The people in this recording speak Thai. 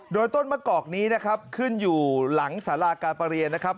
โดยต้นมะกอกนี้นะครับขึ้นอยู่หลังสาราการประเรียนนะครับ